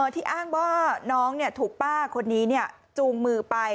ที่อ้างว่าน้องถูกป้าคนนี้จูงมือไป